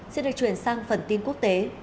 xin được chuyển sang phần tin quốc tế